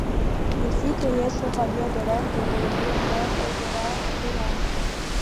Il fut créé chevalier de l'ordre de Léopold et de la Couronne.